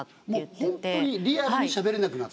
もう本当にリアルにしゃべれなくなった。